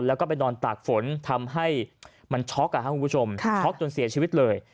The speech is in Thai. แล้วก็ไปนอนตากฝนทำให้มันช็อกคุณผู้ชมช็อกจนเสียชีวิตเลย